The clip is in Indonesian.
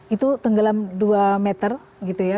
itu tenggelam dua meter gitu ya